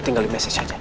tinggal di message aja